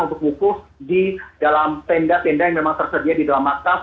untuk bukuf di dalam tenda tenda yang memang tersedia di dalam maktab